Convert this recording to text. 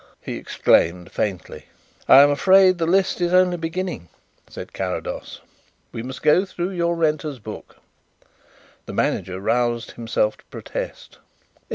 he exclaimed faintly. "I am afraid the list is only beginning," said Carrados. "We must go through your renters' book." The manager roused himself to protest.